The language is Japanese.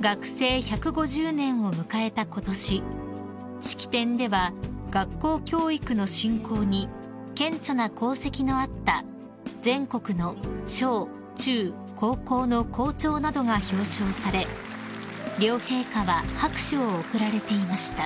［学制１５０年を迎えたことし式典では学校教育の振興に顕著な功績のあった全国の小・中・高校の校長などが表彰され両陛下は拍手を送られていました］